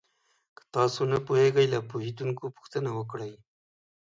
که تاسو نه پوهېږئ، له پوهېدونکو پوښتنه وکړئ.